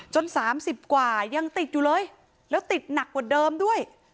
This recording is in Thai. ๓๐กว่ายังติดอยู่เลยแล้วติดหนักกว่าเดิมด้วย